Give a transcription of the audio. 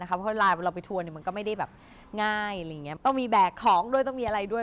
เพราะว่าเราไปทัวร์มันก็ไม่ได้แบบง่ายต้องมีแบกของด้วยต้องมีอะไรด้วย